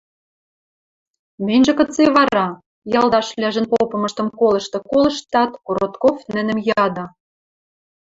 – Мӹньжӹ кыце вара? – ялдашвлӓжӹн попымыштым колышты-колыштат, Коротков нӹнӹм яды.